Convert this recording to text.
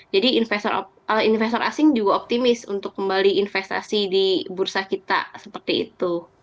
jadi investor asing juga optimis untuk kembali investasi di bursa kita seperti itu